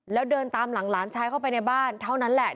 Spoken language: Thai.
แล้วเดินตามหลังหลานชายเข้าไปในบ้านเท่านั้นแหละ